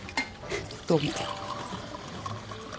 どうも。